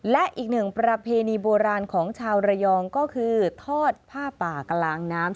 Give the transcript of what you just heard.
และอีกหนึ่งประเพณีโบราณของชาวระยองก็คือทอดผ้าป่ากลางน้ำ